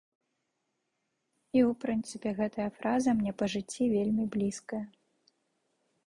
І ў прынцыпе, гэтая фраза мне па жыцці вельмі блізкая.